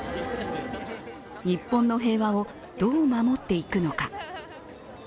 日本の平和をどう守っていくのか。